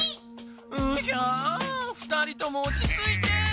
うひゃあ２人ともおちついて！